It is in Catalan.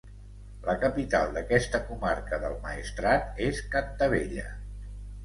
La capital d'aquesta comarca del Maestrat és Cantavella.